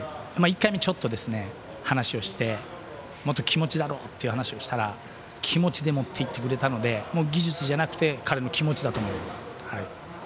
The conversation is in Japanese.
１回目、ちょっと話をして気持ちだろという話をしたら気持ちで持っていってくれたので技術じゃなくて彼の気持ちだと思います。